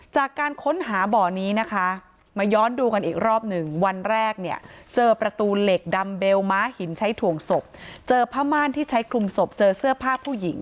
จากการค้นหาเบาะนี้นะคะ